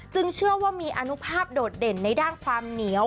เชื่อว่ามีอนุภาพโดดเด่นในด้านความเหนียว